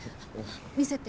見せて。